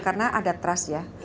karena ada trust ya